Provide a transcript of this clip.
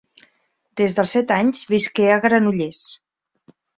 Des dels set anys visqué a Granollers.